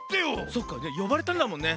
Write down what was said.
そっかよばれたんだもんね。